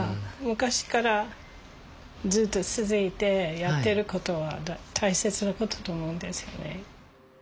昔からずっと続いてやってる事は大切な事と思うんですよね。